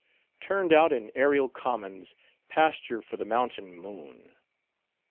Turned out in aerial commons, pasture for the mountain moon.